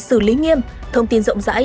xử lý nghiêm thông tin rộng rãi